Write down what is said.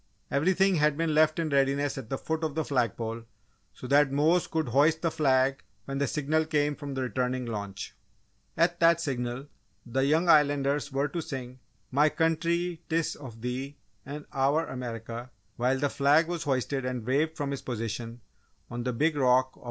Everything had been left in readiness at the foot of the flag pole so that Mose could hoist the flag when the signal came from the returning launch. At that signal, the young Islanders were to sing "My Country 'tis of Thee" and "Our America," while the flag was hoisted and waved from its position on the big rock of Treasure Cove.